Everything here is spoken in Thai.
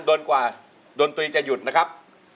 จนกว่าดนตรีจะหยุดนะครับ